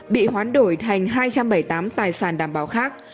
bị hoán đổi thành hai trăm bảy mươi tám tài sản đảm bảo khác